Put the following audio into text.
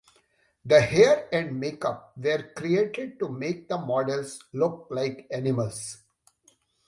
The hair and makeup were created to make the models look like animals.